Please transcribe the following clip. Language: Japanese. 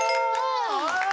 ああ！